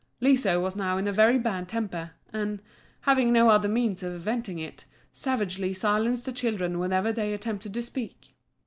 Liso was now in a very bad temper; and, having no other means of venting it, savagely silenced the children whenever they attempted to speak.